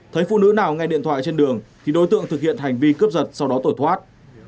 thấy phụ nữ nào nghe điện thoại trên đường thì đối tượng thực hiện hành vi cướp giật sau đó tổ thoát